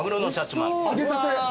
揚げたて。